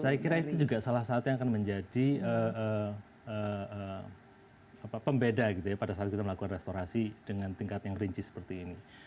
saya kira itu juga salah satu yang akan menjadi pembeda pada saat kita melakukan restorasi dengan tingkat yang rinci seperti ini